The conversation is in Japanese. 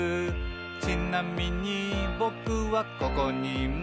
「ちなみにぼくはここにいます」